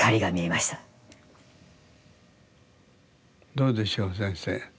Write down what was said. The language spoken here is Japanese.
どうでしょう先生？